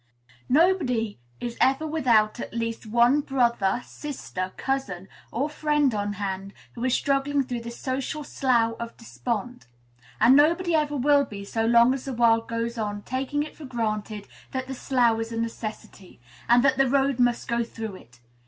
Nobody is ever without at least one brother, sister, cousin, or friend on hand, who is struggling through this social slough of despond; and nobody ever will be, so long as the world goes on taking it for granted that the slough is a necessity, and that the road must go through it.